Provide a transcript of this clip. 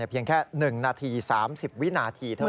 เพียงแค่๑นาที๓๐วินาทีเท่านั้น